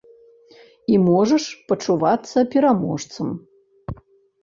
І можаш пачувацца пераможцам.